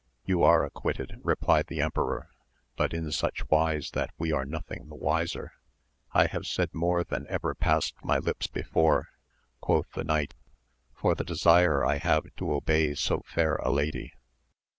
You are acquitted, replied the emperor, but in such wise that we are nothing the wiser. I have said more than ever passed my lips before, quoth the knight, for the desire I have to obey so fair a lady.